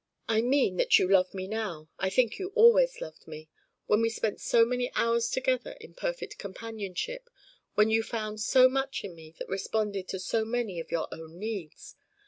"I mean that you love me now. I think you always loved me when we spent so many hours together in perfect companionship when you found so much in me that responded to so many of your own needs.